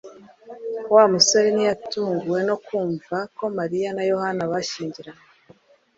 Wa musore ntiyatunguwe no kumva ko Mariya na Yohana bashyingiranywe